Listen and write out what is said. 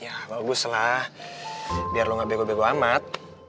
ya baguslah biar lo gak bego bego amat